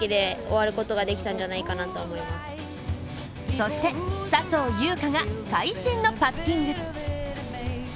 そして、笹生優花が会心のパッティング。